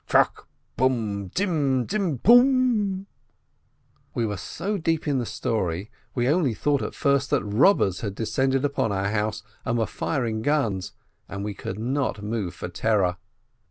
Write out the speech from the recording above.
— tarrrach! — bom — dzin — dzin — dzin, bommU We were so deep in the story, THE CLOCK 123 we only thought at first that robbers had descended upon our house, and were firing guns, and we could not move for terror.